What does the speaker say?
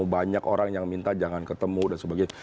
banyak orang yang minta jangan ketemu dan sebagainya